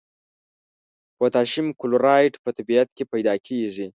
پوتاشیم کلورایډ په طبیعت کې پیداکیږي.